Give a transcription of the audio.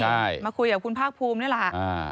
ใช่มาคุยกับคุณภาคภูมินี่แหละ